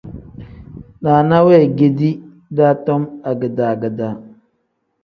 Naana weegedi daa tom agedaa-gedaa.